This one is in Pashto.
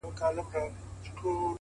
هره شېبه د بدلون فرصت لري.!